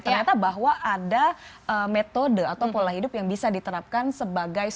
ternyata bahwa ada metode atau pola hidup yang bisa diterapkan sebagai